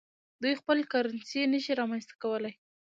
دوی خپل کرنسي نشي رامنځته کولای.